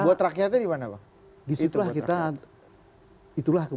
buat rakyatnya di mana pak